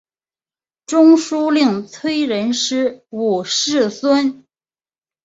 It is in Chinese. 中书令崔仁师五世孙。